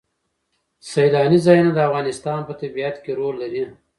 سیلاني ځایونه د افغانستان په طبیعت کې رول لري.